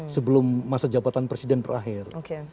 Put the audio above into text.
sebelum masa jabatan presiden berakhir